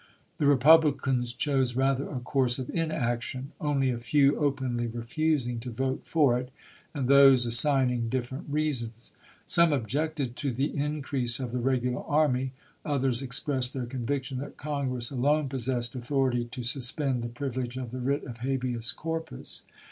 The Re publicans chose rather a course of inaction ; only a few openly refusing to vote for it, and those assign ing different reasons. Some objected to the in crease of the regular armj^, others expressed their conviction that Congress alone possessed author ity to suspend the privilege of the writ of habeas corpus.